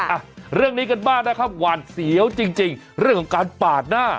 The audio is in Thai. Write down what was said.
อ่ะเรื่องนี้กันบ้างนะครับหวานเสียวจริงจริงเรื่องของการปาดหน้า